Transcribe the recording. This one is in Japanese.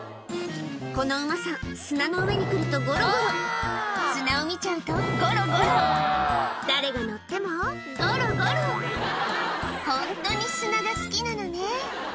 この馬さん砂の上に来るとゴロゴロ砂を見ちゃうとゴロゴロ誰が乗ってもゴロゴロホントに砂が好きなのね